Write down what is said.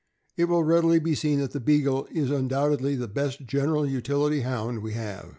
It will readily be seen that the Beagle is undoubtedly the best general utility Hound we have.